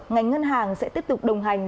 ngành ngân hàng sẽ tiếp tục đồng hành